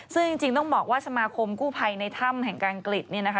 ซึ่งจริงต้องบอกว่าสมาคมกู้ภัยในถ้ำแห่งการอังกฤษเนี่ยนะคะ